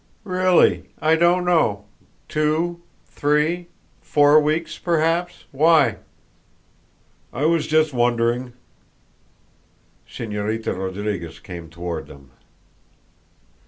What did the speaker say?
"Really I don't know two, three, four weeks, perhaps. Why?" "I was just wondering." Señorita Rodriguez came toward them.